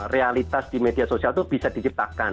realitas di media sosial itu bisa diciptakan